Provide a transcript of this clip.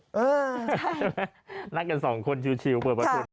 เออใช่ไหมนักกันสองคนชิวประมาณคุณ